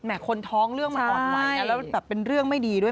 คนท้องเรื่องมันอ่อนไหวนะแล้วแบบเป็นเรื่องไม่ดีด้วย